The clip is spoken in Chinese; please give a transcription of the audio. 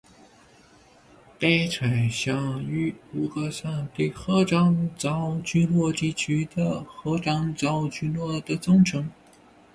白川乡与五个山的合掌造聚落地区的合掌造聚落的总称。